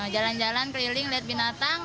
jalan jalan keliling lihat binatang